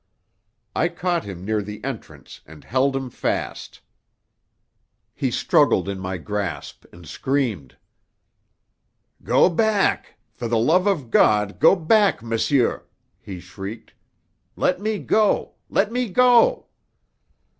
I caught him near the entrance and held him fast. He struggled in my grasp and screamed. "Go back! For the love of God, go back, monsieur!" he shrieked. "Let me go! Let me go!"